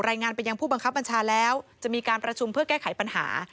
รายงานไปยังผู้บังคับบัญชาแล้วจะมีการประชุมเพื่อแก้ไขปัญหา